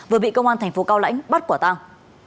vừa bị công an thành phố cao lãnh bắt quả tang